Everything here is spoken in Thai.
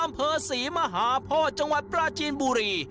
อำเภอศรีมหาโพธิจังหวัดปราจีนบุรี